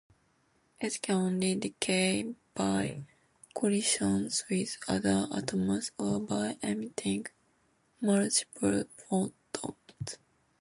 It can only decay by collisions with other atoms or by emitting multiple photons.